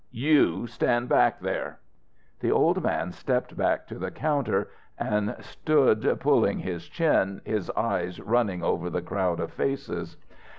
You stand back there!" The old man stepped back to the counter, and stood julling his chin, his eyes running over the crowd of faces.